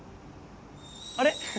あれ？